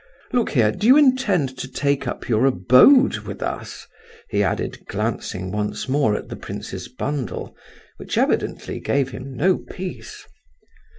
Look here, do you intend to take up you abode with us?" he added, glancing once more at the prince's bundle, which evidently gave him no peace.